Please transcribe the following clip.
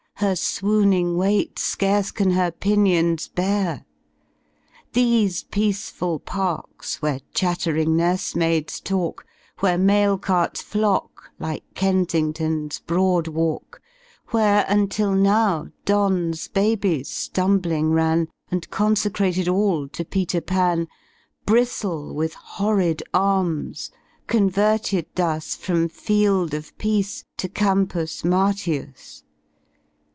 Her swooning weight scarce can her pinions bear. These peaceful Parks, where chattering nursemaids talk^ Where mail carts fiock, like Kensington^ s Broad Walk, Where, until now, Dons* babies tumbling ran. And consecrated all to Peter Pan — Bristle with horrid arms, converted thus From field of Peace to Campus Martius.